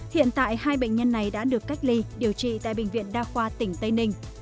hiện tại hai bệnh nhân này đã được cách ly điều trị tại bệnh viện đa khoa tỉnh tây ninh